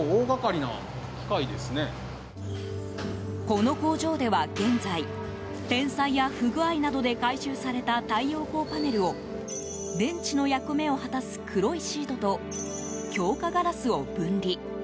この工場では、現在天災や不具合などで回収された太陽光パネルを電池の役目を果たす黒いシートと強化ガラスを分離。